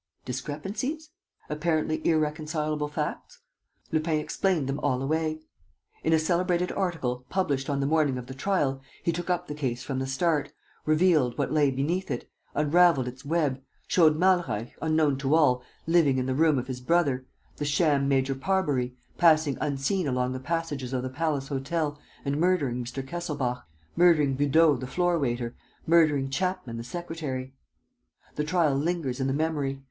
Discrepancies? Apparently irreconcilable facts? Lupin explained them all away. In a celebrated article, published on the morning of the trial, he took up the case from the start, revealed what lay beneath it, unravelled its web, showed Malreich, unknown to all, living in the room of his brother, the sham Major Parbury, passing unseen along the passages of the Palace Hotel and murdering Mr. Kesselbach, murdering Beudot the floor waiter, murdering Chapman the secretary. The trial lingers in the memory.